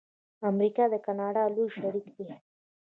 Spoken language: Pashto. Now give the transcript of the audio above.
امریکا د کاناډا لوی شریک دی.